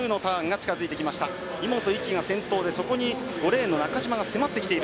井本が先頭で５レーンの中島が迫ってきている。